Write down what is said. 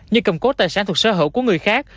như cầm cốt tài sản thuộc sở hữu của người khác